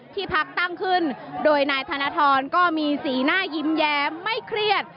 พักตั้งขึ้นโดยนายธนทรก็มีสีหน้ายิ้มแย้มไม่เครียด